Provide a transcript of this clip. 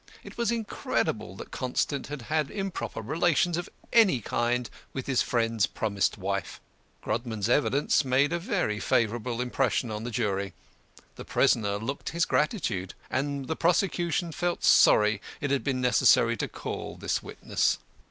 It was incredible that Constant had had improper relations of any kind with his friend's promised wife. Grodman's evidence made a very favourable impression on the jury; the prisoner looked his gratitude; and the prosecution felt sorry it had been necessary to call this witness.